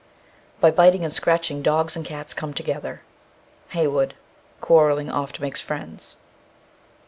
By biting and scratching dogs and cats come together. HEYWOOD. Quarrelling oft makes friends.